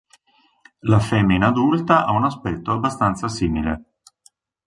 La femmina adulta ha un aspetto abbastanza simile.